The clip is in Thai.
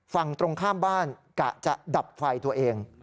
ฝั่งตรงข้ามบ้านกะจะดับไฟตัวเอง